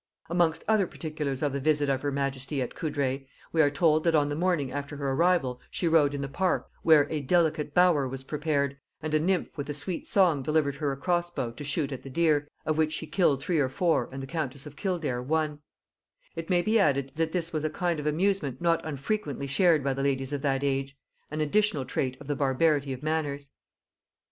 Amongst other particulars of the visit of her majesty at Coudray, we are told that on the morning after her arrival she rode in the park, where "a delicate bower" was prepared, and a nymph with a sweet song delivered her a cross bow to shoot at the deer, of which she killed three or four and the countess of Kildare one: it may be added, that this was a kind of amusement not unfrequently shared by the ladies of that age; an additional trait of the barbarity of manners.